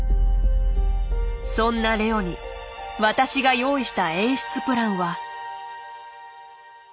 そんなＬｅｏに私が用意した演出プランは。